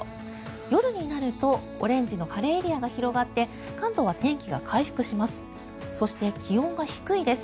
夜になるとオレンジの晴れエリアが広がって関東は天気が回復します。